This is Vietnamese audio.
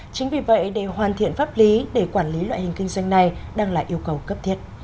chính vì vậy để hoàn thiện pháp lý để quản lý loại hình kinh doanh này đang là yêu cầu cấp thiết